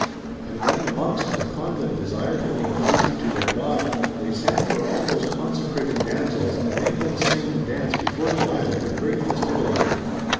And when the [monks] of a convent* desire to make a feast to their god, they send for all those consecrated damsels and make them sing and dance before the idol with great festivity.